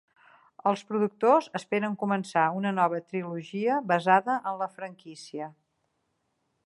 Els productors esperen començar una nova trilogia basada en la franquícia.